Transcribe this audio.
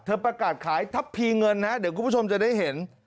ประกาศขายทัพพีเงินนะเดี๋ยวคุณผู้ชมจะได้เห็น